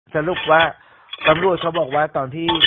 สรุปว่าตำรวจเขาบอกว่าตอนที่